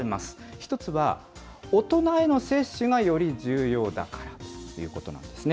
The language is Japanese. １つは、大人への接種がより重要だからということなんですね。